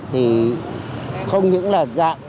thì không những là